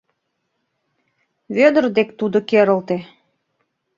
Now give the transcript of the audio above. — Вӧдыр дек тудо керылте.